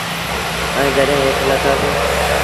ائيٚݩ جڏيݩ هيٺ لٿآ سيٚݩ۔